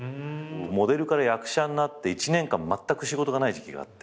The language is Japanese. モデルから役者になって１年間まったく仕事がない時期があって。